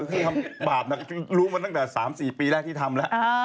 คือทำบาปรู้มาตั้งแต่๓๔ปีแรกที่ทำแล้ว